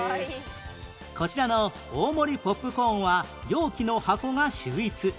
こちらの大盛りポップコーンは容器の箱が秀逸